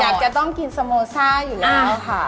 อยากจะต้องกินสโมซ่าอยู่แล้วค่ะ